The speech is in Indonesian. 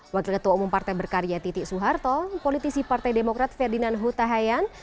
wakil ketua umum partai berkarya titik suharto politisi partai demokrat ferdinand huta hayan